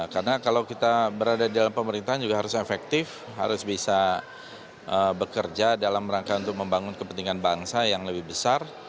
karena kalau kita berada di dalam pemerintahan juga harus efektif harus bisa bekerja dalam rangka untuk membangun kepentingan bangsa yang lebih besar